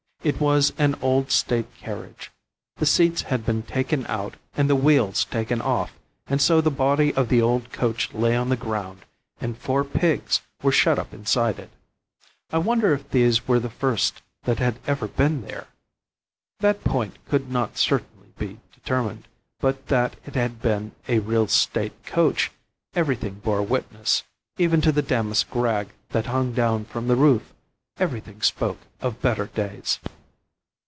It was an old state carriage. The seats had been taken out and the wheels taken off, and so the body of the old coach lay on the ground, and four pigs were shut up inside it. I wonder if these were the first that had ever been there? That point could not certainly be determined; but that it had been a real state coach everything bore witness, even to the damask rag that hung down from the roof; everything spoke of better days.